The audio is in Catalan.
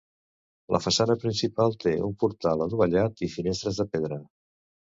La façana principal té un portal adovellat i finestres de pedra.